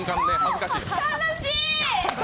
楽しい。